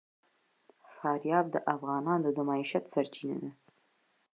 فاریاب د افغانانو د معیشت سرچینه ده.